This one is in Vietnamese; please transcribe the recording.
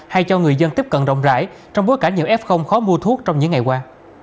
hay cho người dân tiếp cận rộng rãi trong bối cảnh nhiều f khó mua thuốc trong những ngày qua